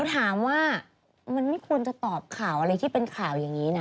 ถามว่ามันไม่ควรจะตอบข่าวอะไรที่เป็นข่าวอย่างนี้นะ